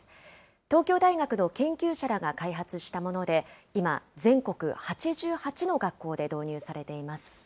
東京大学の研究者らが開発したもので、今、全国８８の学校で導入されています。